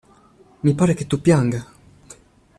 Mi pare che tu pianga!